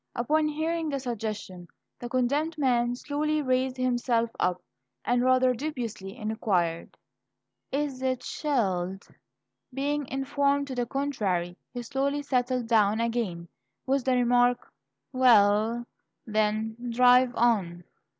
Upon hearing the suggestion, the condemned man slowly raised himself up, and rather dubiously inquired, "I s i t s h e l l e d?" Being informed to the contrary, he slowly settled down again, with the remark, "W e l l, then, drive on."